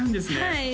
はい